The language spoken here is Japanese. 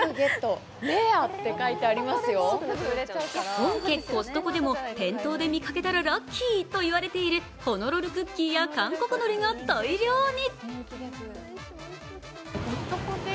本家コストコでも店頭で見掛けたらラッキーといわれているホノルルクッキーや韓国のりが大量に。